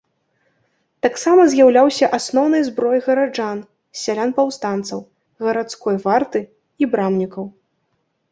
Таксама з'яўляўся асноўнай зброяй гараджан, сялян-паўстанцаў, гарадской варты і брамнікаў.